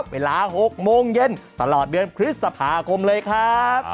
เวลา๖โมงเย็นตลอดเดือนคริสต์สัปดาหกรมเลยครับ